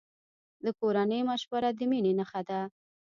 د کورنۍ مشوره د مینې نښه ده.